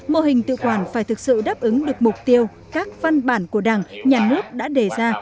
mô hình tự quản phải thực sự đáp ứng được mục tiêu các văn bản của đảng nhà nước đã đề ra